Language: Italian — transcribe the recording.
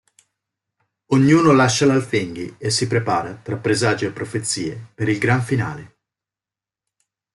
Ognuno lascia l'Alþingi e si prepara, tra presagi e profezie, per il gran finale.